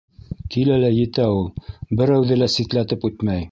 - Килә лә етә ул. Берәүҙе лә ситләтеп үтмәй.